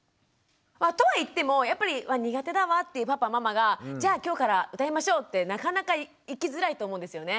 とはいってもやっぱり苦手だわっていうパパママがじゃあ今日から歌いましょうってなかなかいきづらいと思うんですよね。